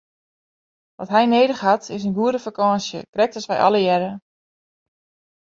Wat hy nedich hat is in goede fakânsje, krekt as wy allegearre!